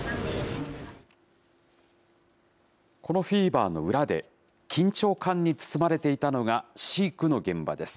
このフィーバーの裏で、緊張感に包まれていたのが、飼育の現場です。